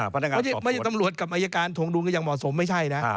ไม่ได้ใช้คำว่าตำรวจกับอายการทงดุลก็ยังเหมาะสมไม่ใช่นะ